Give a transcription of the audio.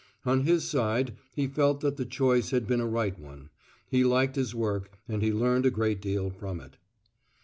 On his side, he felt that the choice had been a right one; he liked his work, and he learned a great deal from it.